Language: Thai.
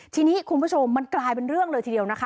ทีนี้คุณผู้ชมมันกลายเป็นเรื่องเลยทีเดียวนะคะ